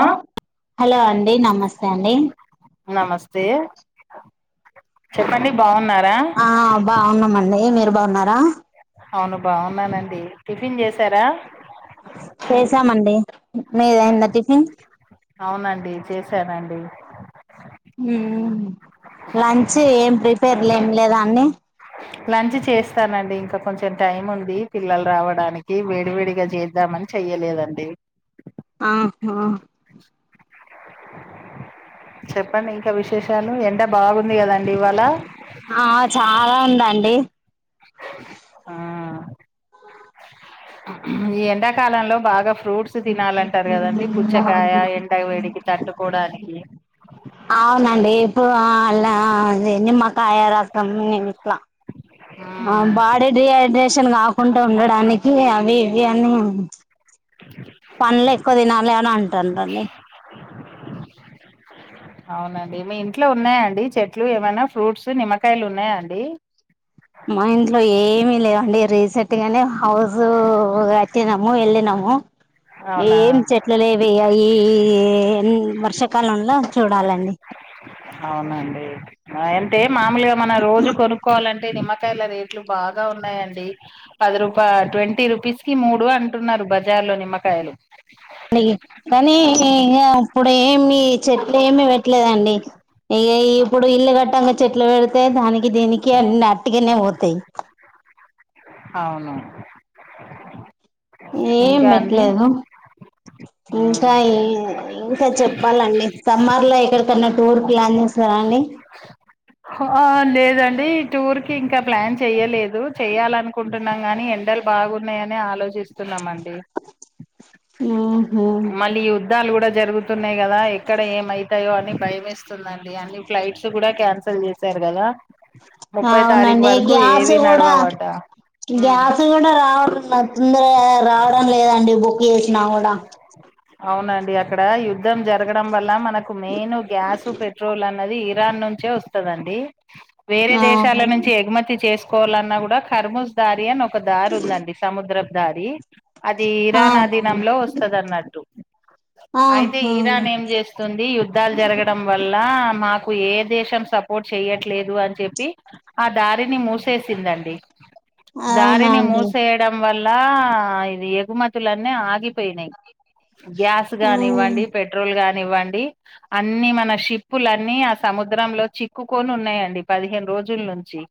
ఆ హలో అండి నమస్తే అండి నమస్తే చెప్పండి బాగున్నారా ఆ బాగున్నామండి మీరు బాగున్నార అవును బాగున్నానండి టిఫిన్ చేశారా చేసామండి మీది అయిందా టిఫిన్ అవునండి చేసానండి లంచ్ ఏం ప్రిపేర్ లేం లేదా అండి లంచ్ చేస్తానండి ఇంకా కొంచెం టైం ఉంది పిల్లలు రావడానికి వేడి వేడిగా చేద్దామని చె యలేదండి ఆహా చెప్ ప్పండి ఇంకా విశేషాలు ఎండ బాగుంది కదండి ఇవాళ ఆ చాలా ఉందండి ఆ ఈ ఎండా కాలంలో బాగా ఫ్రూట్స్ తినాలంటారు కదండీ పుచ్చకాయ ఎండ వేడికి తట్టుకోడానికి అవునండి ఇప్పుడు అలా నిమ్మకాయ రసం ట్లా ఆ మ్మ్ బాడీ డిహైడ్రేషన్ గాకుంట ఉండడానికి అవ్ ఇవ్వి అన్నున్ [unintelligible] పండ్లెక్కువ తినాలి అని అంటాండండ్రి. అవునండి మీ ఇంట్లో ఉన్నాయా అండి చెట్లు ఏమైనా ఫ్రూట్స్ నిమ్మకాయలున్నయా అండి? మా ఇంట్లో ఏమి లేవండి రీసెట్గనే హౌస్ గట్టినము ఎళ్ళినము. అవునా ఏం చెట్లు లేవిగ ఈ వర్షాకాలంల చూడాలండి అవునండి ఆ యంటే మాములుగ మనం రోజు కొనుక్కోవాలంటే నిమ్మకాయల రేట్లు ట్లు బాగా ఉన్నాయండి పది రూపా ట్వంటీ రూపీస్ కి మూడు అంటున్నారు బజార్ లో నిమ్మకాయలు అయ్యి కనీ ఇగా అప్పుడేమి చెట్లేమి పెట్టలేదండి. ఇగ ఇప్పుడు ఇల్లు కట్టంగా చెట్లు పెడితే దానికి దీనికి అన్ని అట్టిగనే పోతయి. అవును ఏం ఇంకా అండి బెట్లేదు మ్మ్. ఇంకా ఏ ఇంక చెప్పాలండి? సమ్మర్లో ఎక్కడకన్ క్కన్న టూర్ ప్లాన్ చేస్తరా అండి? ఆ లేదండి టూర్ కి ఇంక ప్లాన్ చెయలేదు, చెయ్యాలనుకుంటు టున్నాం గాని ఎండలు బాగున్నయనే ఆలోచిస్తున్నమండి. ఉమ్ మళ్ళీ యుద్ధాలుగుడ జరుగుతున్నయి గదా ఎక్కడ ఏమయితదో అని భయమేస్తుందండి అని ఫ్లైట్స్ గుడా క్యాన్సిల్ చేశారు గదా అవునండి గ్యాసు గూడ నడవవట ఉమ్ గ్యాస్ గూడ రావడంలేద్ తొందరగా రావడం లేదండి బుక్ చేసినా గుడా అవునండి అక్కడ యుద్ధం జరగడం వల్ల మనకు మెయిన్ గ్యాస్, పెట్రోల్ అన్నది యే రాన్ నుంచే వస్తదండి, వేరే ఆ దేశాల నుంచి ఎగుమతి చేసు కోవాలన్న గుడా ఖర్మూజ్ దారి అని ఒక దారి ఉందండి సముద్రపు దారి అది ఇరాన్ అవునండి అధీనంలో వస్తదన్నట్టు. అయితే ఆహా ఇరాన్ ఏం జేస్తుంది యుద్ధాలు జరగడం వల్ల మాకు ఏ దేశం సపోర్ట్ చెయట్లేదు అన్చెప్పి ఆ దారిని మూసేసిందండి. అవునా దారిని అండి మూసేయడం వల్ ల్లా ఇది ఎగుమతులన్ని ఆగిపోయినయి. గ్యాస్ ఉమ్ గానివ్వండి, పెట్రోల్ గాన్ నివ్వండి అన్ని మన షిప్పులన్నీ ఆ సముద్రంలో చిక్కుకొన్ ఉన్నయండి పదిహేను రోజ రోజుల్నుంచి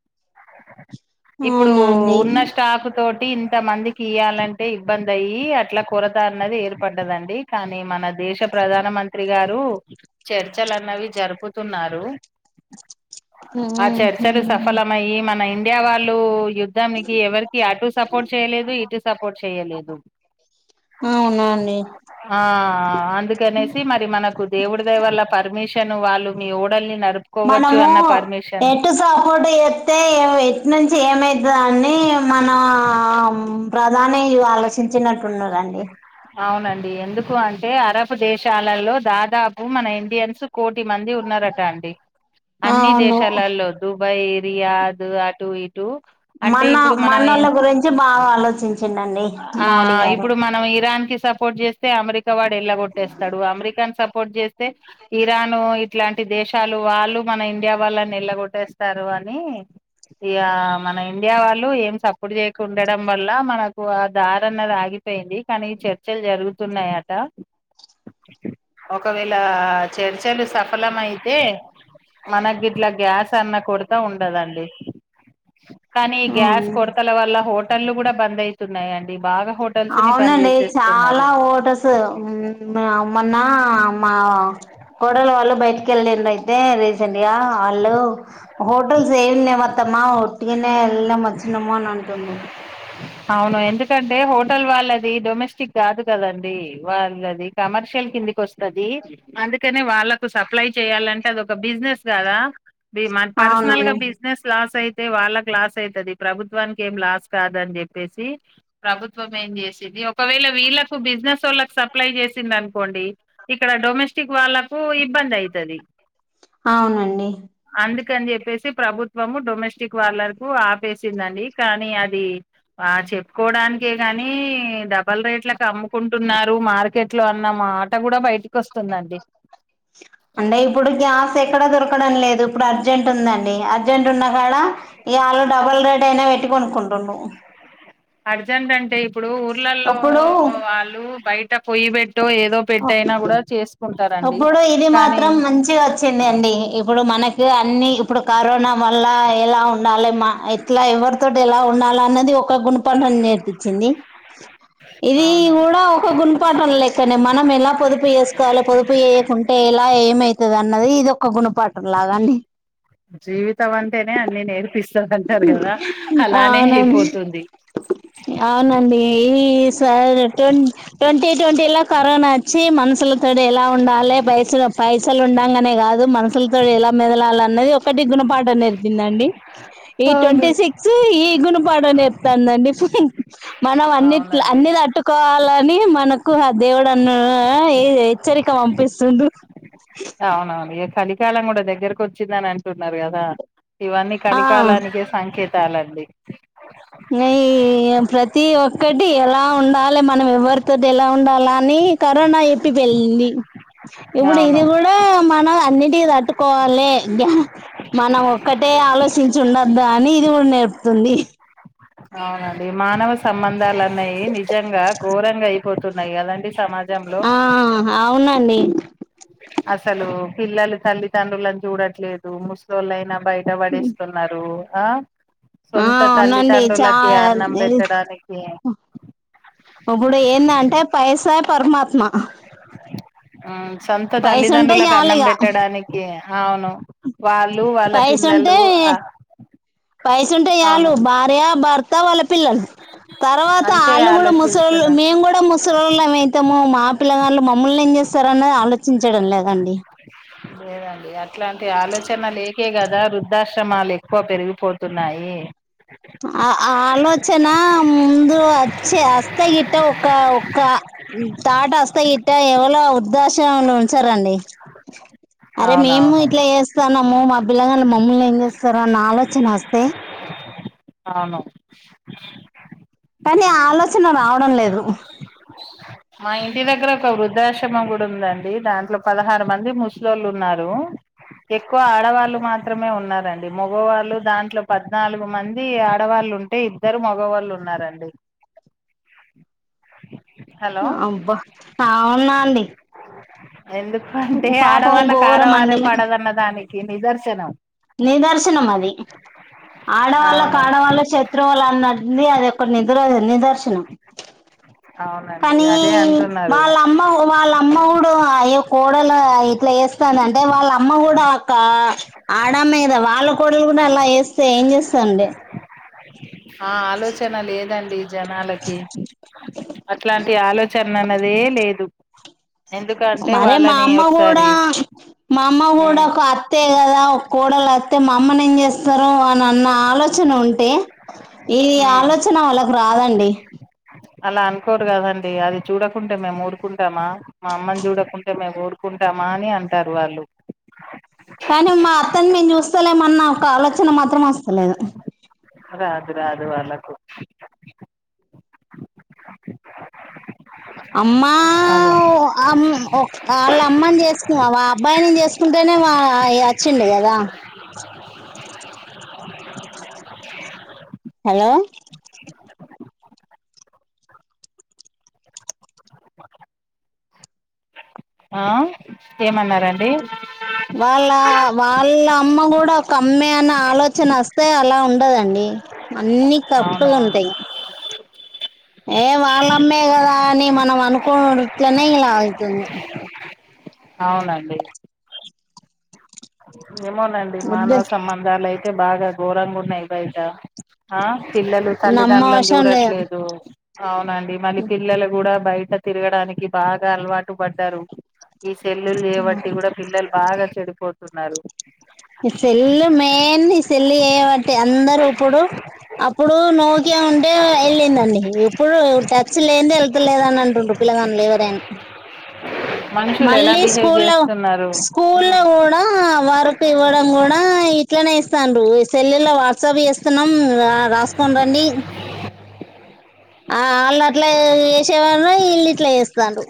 ఇప్పుడూ అవునండి ఉన్న స్టాప్ తోట్ టి ఇంత మందికి ఇయ్యాలంటే ఇబ్బంది అయ్యి అట్ల కొరత అన్నది ఏర్ పడ్దదండి కానీ మన దేశ ప్రధాన మంత్రి గారు చర్చలన్నవి జరుపుతున్నార్ నారు ఆ చర్చలు ఉహు సఫలమయ్యి మన ఇండియా వాళ్ళు ఇ యుద్ధానికి ఎవరికి అటు సపోర్ట్ చేయలేదు, ఇటు సపోర్ట్ చెయలేదు. అవునా అండి ఆ ఆ అందుకనేసి మరి మనకు దేవుడి దయ వల్ల పర్మిష్ శన్ వాళ్ళు మీ ఓడల్ని న మనము ఎటు సపోర్ట్ జెత్తే ఏం ఎట్ నుంచి ఏమై దో అనీ మనా ప్రధాని ఇవార్ చించినట్టు ఉన్నరండి అవునండి ఎందుకు అంటే అరబ్ దేశాలలో దాదాపు మన ఇండియన్స్ కోటి మంది ఉన్నరట అండి. అన్ని అవును దేశాలల్లో దుబాయ్, రియాద్ అటు ఇటు అంటే మన ఇప్పుడు మనం మనోళ్ళ గురించి బాగా ఆలోచించిండండి ఆ మోడీ గార్ ఇప్పుడు మనం ఇరాన్ కి సపోర్ట్ జేస్తే అమెరికావాడెళ్ల గొట్టేస్తడు అమెరికాన్ స పోర్ట్ జేస్తే ఇరాన్ ఇట్లాంటి దేశాలు వాళ్ళు మన ఇండియా వాళ్ళనెల్లగొట్టేస్తారు. మనే ఇగ మన ఇండియా వాళ్ళు ఏం సపుడు చేయకు ఉండడం వల్ల మనకు ఆ దార అన్నది ఆగి అపోయింది కానీ చర్చలు జరుగుతున్నాయట ఒకవేళ చర్చలు సఫలం అయితే మనకి ఇట్లా గ్యాస్ అన్న కొరత ఉండదండి కానీ గ్యాస్ ఉమ్ కొరతల వల్ల హోటళ్ల్లు కూడా బంద్ అయితున్నాయిండి బాగా హోట అవునండి చాలా ఓటస్ మొన్న మా కోడలు వాళ్ళ బయ ెళ అయితే రీసెంట్ గా వాళ్ళు హోటల్స్ ఏమిన్నా మత్తమ్మా ఎలా వచనము అంటుండు అవును ఎందుకంటే హోటల్ వాళ్ళది డొమెస్టిక్ కాదు కదండి వాళ్ళది కమర్షియల్ కిందికి వస్తుంది అందుకనే వాళ్ళకు సప్లై చెయాలంటే అది ఒక బిజినెస్ కాదా మన పర్సనల్ గా అవునండి బిజినెస్ లాస్ అయితే వాళ్ళకి లాస్ అయితది ప్రభుత్వానికి ఏం లాస్ కాదని చెప్పేసి ప్రభుత్వం ఏం చేసిేది ఒకవేళ వీళ్లకు బిజినెస్ వాళ్ళలకు సప్లై చేసి సింది అనుకోండి ఇక్కడ డొమెస్టిక్ వాళ్ళకు ఇబ్బంది అయితది అవునండి అని చెప్పేసి ప్రభుత్వము డొమెస్టిక్ వాళ్ళకు ఆపేసిందండి కానీ అది ఆ చెప్పుకోవడానికే కాని డబల్ రేట్లలకు అమ్ముకుంటున్నారు మార్కెట్ ట్లో అన్న మా ఆట కూడా బయటికి వస్తుందండి అంటే ఇప్పుడు గ్యాస్ ఎక్కడ దొరకడం లేదు ఇప్పుడు అర్జెంట్ ఉంద అర్జెంట్ ఉన్నా కాడ ఇగ ఆళ్ళు డబుల్ రేట్ అయినా పెట్టి కొనుకుంటు అర్జెంట్ అంటే ఇప్పుడు ఊర్లలో ఇప్పుడు వాళ్ళు బయట పొయ్యిబెట్టు ఏదో పెట్టి అయినా కూడా చేసుకు అప్పుడు ఇది మాత్రం మంచిగా వచ్చింది అండి ఇప్పుడు మనకి అన్ని ఇప్పుడు కరోనా వల్ల ఎలా ఉండాలి మా ఇట్లా ఎవరితో ఎలా ఉండాల అన్నది ఒక గుణపాఠం నేర్పించింది ఇది అవును కూడా ఒక గుణ పాఠం లేక్కనే మనం ఎలా పొదుపు చేేసుకోవాలి పొదుపు చేయకుంటే ఎలా ఏమైతది అన్నది ది ఇదొక్క గుణపాఠంలాగా అండి జీవిత అంటేనే అని నేర్పిస్త ది అంటారు కదా అలానే అవునండి అయిపోతుంది అవునండి ఈ సర్ ట్వంటీ ట్వంటీ లో కరోనా వచ్చి మనుషుల తోటి ఎలా ఉండాలి పైస పైసలు ఉండగానే కాదు మనషులతోటి ఎలా మెదలాలి అన్నది ఒకటి గుణపాఠం నేర్పింద ఈ ట్వంటీ సిక్స్ ఈ గుణపాఠం నేర్పాతంది అండి మనం అన్నిట్ల అవునండి అన్ని తట్టుకోవాలని మనకు ఆ దేవుడున్న ఏ హెచ్చరిక పంపిస్తుడు అవునవును ఇక కలికాలం కూడా దగ్గరకు వచ్చిందని అంటున్నారు కదా ఇవన్నీ ఆ కలికాలానికె సంకేతాలండి ఇక ఈ ప్రతి ఒక్కటి ఎలా ఉండాలి మనం ఎవరితోటి ఎలా ఉండాల అని కరోనా చెప్పి వెళ్ళంది ఇప్పుడు అవును ఇది కూడా మన అన్నిటికి తట్టుకోవాలె గ్యా మనం ఒక్కటే ఆలోచించి ఉండద్దా అని ఇది కూడా నేర్పుతుంది అవునండి మానవ సంబంధాలు అన్నయీ నిజంగా ఘోరంగా అయిపోతున్నాయి కదా అండి సమాజంలో ఆ అవునండి అసలు పిల్లలు తల్లిదండ్రులలను చూడట్లేదు ముసలుళ్లైనా బయట పడేస్తున్నారు ఆ ఆ సొంత అవునండి చా తల్లిదండ్రులకి అన్నం పెట్టడానికి ఇప్పుడు ఏందంటే పైసే పరమాత్మ సొంత పైస ఉంటే తల్లిదండ్రులకు చాలు అన్నం ఇగ పెట్టడానికి అవును వాళ్ళు వాళ్ళ పైస ఉంటే పిల్లలు ఆ, పైస ఉంటే చాలు అవును భార్య భర్త త వాళ్ళ పిల్లలు తర్వాత అంతే అళ్ళు కూడా ముసలిళ్ళు ఆలోచిస్తున్నా మేము కూడా ముసలోళం అయితము మా పిల్లగాళ్ళలు మమ్మల్ని ఏం చేస్తారు అన్నది ఆలోచించడం లేదండి లేదండి అట్లాంటి ఆలోచన లేకే కదా వృద్ధాశ్రమాలు ఎక్కువ పెరిగిపోతున్నాయి ఆ ఆలోచన ముందు వచ్చే అస్తే గిట్ట ఒక ఒక్క తాట సరండి అరే మేము అవునవును ఇట్లా చేస్తాన్నాము మా పిల్లగాలు మమ్మల్ని ఏం చేస్తారు నా ఆలోచన మస్తే అవునా ఉమ్ కానీ ఆ ఆలోచన రావడం లేదు మా ఇంటి దగ్గర ఒక వృద్ధాశ్రమం గూడ ఉందండి దాంట్లో పదహారు మంది ముస్లళ్లు ఉన్నారు ఎక్కువ ఆడవాళ్లుు మాత్రమే ఉన్నారంండి మగవాళ్ళు దాంట్లో పద్నాలుగు మంది ఆడవాళ్ళ డి ఇద్దరు మగవాళ్ళు ఉన్నారండి హలో అబ్బా అవున్నా అండి ఎందుకంటే పాపం ఆడవాళ్ళ ఘోరం ఆడవారే అండి పడదన్న దానికి నిదర్శనం నిదర్శనం అది ఆడవాళ్ళకి అవును ఆడవాళ్ళే శత్రువుళ్ల అన్నటు ఉంది అది ఒకక్క ని ఇ నిదర్శనం అవునండి కానీ అదే అంటున్నారు వాళ్ళ అమ్మ వాళ్ళ అమ్మడు ఆ యొక్క కోడల ఇట్లా వేస్తందింటే వాళ్ళ అమ్మ కూడా ఒక్క ఆడ ఆమె కదా వాళ్ళ కోడలు కూడా అలా చేస్తే ఏం చేస్తాండి ఆ ఆలోచన లేదండి జనాలకి అట్లాంటి ఆలోచన అన్నదే లేదు ఎందుకంటే మరే మా వాళ్ళని అమ్మ కూడా ఒకసారి మా అమ్మ కూడా ఉమ్ ఒక అత్త ఎ కదా ఒక కోడళ అతే మా అమ్మని ఏం చేస్తారు అని అ నా ఆలోచన ఉంటే ఈ ఉమ్ ఆలోచన వాళ్ళకు రాదండి అలా అనుకోరు కదండి అది చూడకుంటే మేము ఊరుకుంటామా మా అమ్మని చూడకుంటే మేము ఊడుకుంటా ంటమా అని అంటారు వాళ్ళు కానీ మా అత్తని మేము చూస్తలేమన్నా ఒక ఆలోచన మాత్రం అస్తలేదు రాదు రాదు వాళ్ళకు అమ్మా అదే అమ్ వాళ్ళ అమ్మని చేసుకు ఆ అబ్బాయిని చేసుకుంటే వా ఇ అచ్చింది కదా హలో ఆ ఏమన్నారండి వాళ్ళ వాళ్ళ అమ్మ కూడా కమ్మే అన్న ఆలోచన అస్తే అలా ఉండదండి అన్నిీ కరెక్ట్గా అవునవును ఉంటాయి ఏ వాళ్ళుమ్మే కదా అని మనం అనుకోన్నట్లనే ఇలా అయితుంది అవునండి ఏమోనండి వద్దు మానవ సంబంధాలు అయితే బాగా ఘోరంగా ఉన్నాయి బయట ఆ పిల్లలు తల్లిదండ్రులను నమ్మవశం లేదు చూడట్లేదు అవునండి మళ్ళీ పిల్లలు కూడా బయట తిరగడానికి బాగా అలవాటు పడ్డారు ఈ సెల్లులు చేబట్టి కూడా పిల్లలు బాగా చెడిపోతున్నారు ఈ సెల్లు మెయిన్ ఈ సెల్ చేయబట్టి అందరుూ ఇప్పుడు అప్పుడు నోకియా ఉంటే ఎళ్ళిందండి ఎప్పుడు ట్యాక్స్ లేనిది ఎళ్తలేదా అని అంటుంట్రు పిల్లగాళ్ళులు ఎవరైనా మనుషులు ఎలా మళ్ళీ బిహేవ్ స్కూల్ లో చేస్తున్నారు స్కూల్ ల ఉమ్, కూడా వరుకు ఇవ్వడం కూడా ఇట్లనే ఇస్తండ్రు ఇస్ సెలుల్ల వాట్సాప్ చేస్తున్నాం రాసుకోని రండి ఆ ఆళ్ళు అట్లా ఏసేవార్నా ఇల్ ఇట్లా ఏస్తారు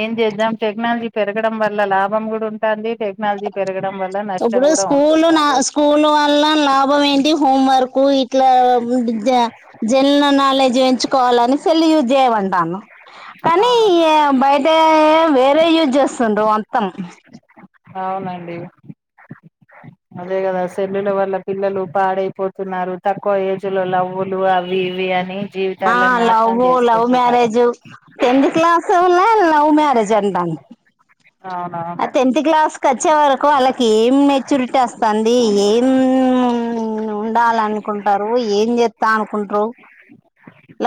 ఏం చేద్దాం టెక్నాలజీ పెరగడం వల్ల లాభం కూడా ఉంటంది టెక్నాలజీ పెరగడం వల్ల నష్టం ఇప్పుడు కూడా స్కూల్ నా ఉంటుందండి స్కూల్ వల్ల లాభం ఏంటి ఇది హోం వర్క్ ఇట్లా జ జనరల్ నాలెడ్జ్ ఎంచుకోవాలని సెల్ యూజ్ ఏవంటానవ్ కానీ అవును ఇగ బయట వేరే యూజ్ చేస్తుండ్ర అంతం అవునండి అదే కదా సెల్లుల వల్ల పిల్లలు పాడైపోతున్నారు తక్కువ ఏజ్ లో లవ్వులు అవి ఇవి అని ఆ జీవితాలను నాశనం లవ్ ఉ లవ్ చేసుకుంటున్నారు మ్యారేజు టెన్త్ క్లాస్ కూన లవ్ మ్యారేజ్ అంట అవునావును కచ్చే వరకు వాళ్ళకి ఏం మేచ్యూరిటీ అస్తంది ఏం ఉండాల అనుకుంటరు ఏం చేత అనుకుంట్రూ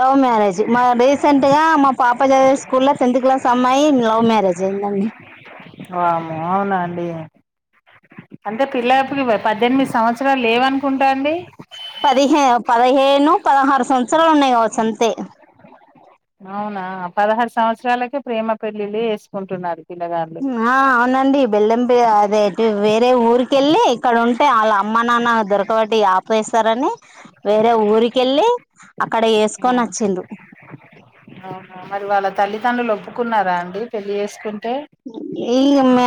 లవ్ మ్యారేజ్ మా రీసెంట్ గా మా పాప చదివే స్కూల్ లో టెన్త్ క్లాస్ అమ్మాయి లవ్ మ్యారేజ్ రజయిందండి వామ్మో అవునా అండి అంటే పిల్లప్పుకి పద్దెనిమిది సంవత్సరాలు లేవనుకుంటా అండి పదిహే పదిహేను పదహారు సంవత్సరాలు ఉన్నాయి కావచ్చు అంతే అవునా పదహారు సంవత్సరాలకే ప్రేమ పెళ్లిళ్లు చేసుకుంటున్నారు పిల్లగాళ్ళు ఆ అవునండి బెల్లం పె అదే ఇట్ వేరే ఊరిక వెళ్ళి ఇక్కడ ఉంటే వాళ్ళ అమ్మ నాన్న దొరకబటి ఆపేస్తారని వేరే ఊరికెళ్ళి అక్కడ ఆ వేసుకొని వచ్చిండ్రు అవునా మరి వాళ్ళ తల్లిదండ్రులు ఒప్పు కున్నారా అండి పెళ్ళి చేసుకుంటే ఇ మ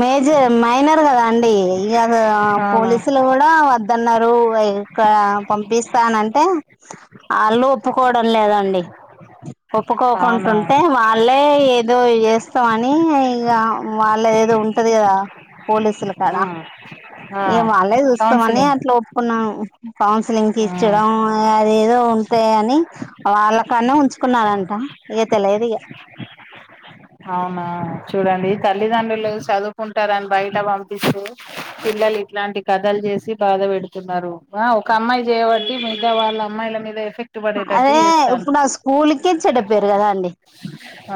మేజర్ మైనర్ కదా అండి ఇగా అస్ ఆ అవునా పోలీసులు కూడా వద్దన్నారు ఇగ ఇక్కడ పంపిస్తానంటే అళ్లు ఒప్పుకోవడం లేదండి అవునా ఒప్పుకోకుంటుంటే వాళ్ళే ఏదో చేస్తాం ఆన్ ని ఇగ వాళ్ళ ఏదో ఉంటది కదా పోలీసుల కడ ఉమ్. ఆ ఇగ వాళ్ళే చూస్తామని కౌన్సిలింగ్ అట్లా ఒప్పుకున్నాం కౌన్సిలింగ్ ఉమ్. తీర్చడం అదేదో ఉంటాయ అని వాళ్ళ కన్నా ఉంచుకున్నారంట ఇగ తెలియదు ఇగ అవునా చూడండి తల్లిదండ్రులు చదువుకుంటరని బయట పంపిస్తే పిల్లలు ఇట్లాంటి కథలు చేసి బాధ పెడుతున్నారు ఒక అమ్మాయి చేయబట్టి మిగతా వాళ్ళ అమ్మాయిల మీద ఏఫక్ట్ పడేటట్టు అదే చేస్తాలు ఇప్పుడు ఆ స్కూల్ కి చెడు పేరు కదా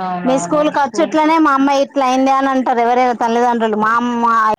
అవునవును స్కూల్ కు చిట్లనే మా అమ్మాయి ఇట్ల అయింది అని అంటారు ఎవర తల్లిదండ్రులు మా అమ్మయ్